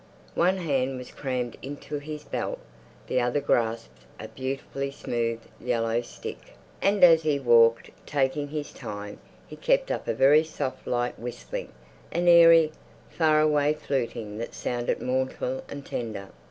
One hand was crammed into his belt, the other grasped a beautifully smooth yellow stick. And as he walked, taking his time, he kept up a very soft light whistling, an airy, far away fluting that sounded mournful and tender.